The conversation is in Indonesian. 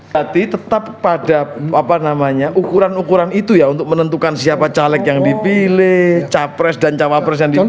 tati tetap pada ukuran ukuran itu ya untuk menentukan siapa caleg yang dipilih capres dan capapres yang dipilih